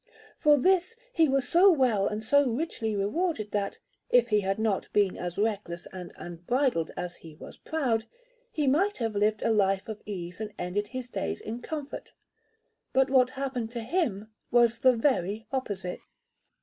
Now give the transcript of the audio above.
For this he was so well and so richly rewarded, that, if he had not been as reckless and unbridled as he was proud, he might have lived a life of ease and ended his days in comfort; but what happened to him was the very opposite.